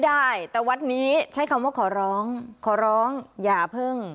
ได้แต่วัดนี้ใช้คำว่าขอร้องขอร้องอย่าเพิ่ง